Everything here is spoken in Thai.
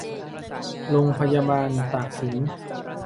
โรงพยาบาลตากสิน